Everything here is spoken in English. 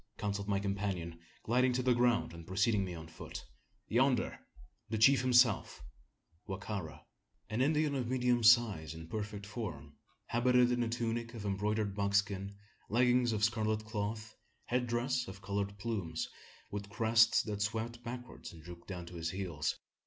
counselled my companion, gliding to the ground, and preceding me on foot, "Yonder! the chief himself Wa ka ra!" An Indian of medium size and perfect form, habited in a tunic of embroidered buckskin, leggings of scarlet cloth, head dress of coloured plumes, with crest that swept backward and drooped down to his heels.